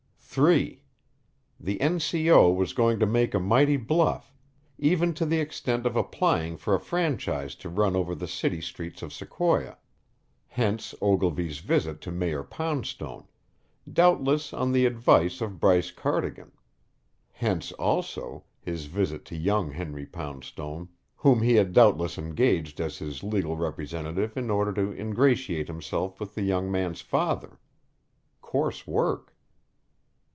(3) The N. C. O. was going to make a mighty bluff, even to the extent of applying for a franchise to run over the city streets of Sequoia. Hence Ogilvy's visit to Mayor Poundstone doubtless on the advice of Bryce Cardigan. Hence, also, his visit to young Henry Poundstone, whom he had doubtless engaged as his legal representative in order to ingratiate himself with the young man's father. Coarse work!